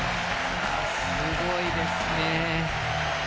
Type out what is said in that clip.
すごいですね。